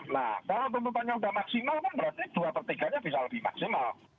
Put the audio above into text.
nah kalau tuntutannya sudah maksimal kan berarti dua per tiganya bisa lebih maksimal